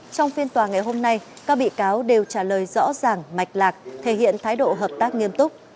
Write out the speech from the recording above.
trong phiên tòa ngày hôm nay các bị cáo đều trả lời rõ ràng mạch lạc thể hiện thái độ hợp tác nghiêm túc